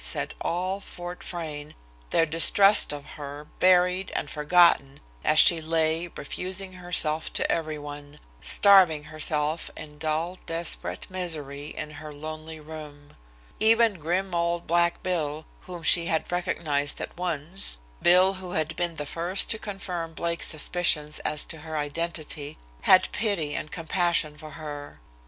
said all Fort Frayne, their distrust of her buried and forgotten as she lay, refusing herself to everyone; starving herself in dull, desperate misery in her lonely room. Even grim old "Black Bill," whom she had recognized at once, Bill, who had been the first to confirm Blake's suspicions as to her identity, had pity and compassion for her.